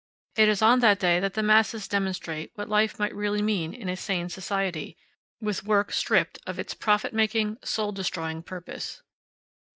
It is on that day that the masses demonstrate what life might really mean in a sane society, with work stripped of its profit making, soul destroying purpose.